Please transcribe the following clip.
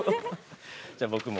じゃ僕も。